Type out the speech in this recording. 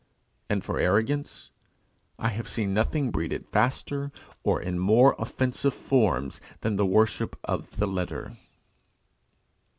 And for arrogance, I have seen nothing breed it faster or in more offensive forms than the worship of the letter.